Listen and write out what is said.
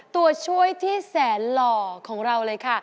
ตัวช่วยที่แสนหล่อของเราเลยค่ะ